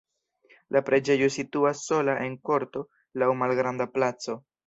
La preĝejo situas sola en korto laŭ malgranda placo.